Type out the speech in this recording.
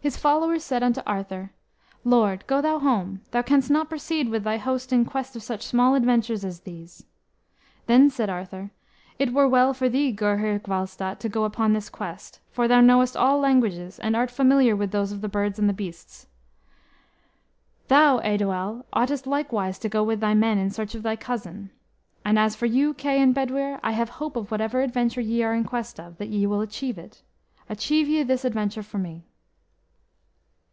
His followers said unto Arthur, "Lord, go thou home, thou canst not proceed with thy host in quest of such small adventures as these." Then said Arthur, "It were well for thee, Gurhyr Gwalstat, to go upon this quest, for thou knowest all languages, and art familiar with those of the birds and the beasts. Thou, Eidoel, oughtest likewise to go with thy men in search of thy cousin. And as for you, Kay and Bedwyr, I have hope of whatever adventure ye are in quest of, that ye will achieve it. Achieve ye this adventure for me."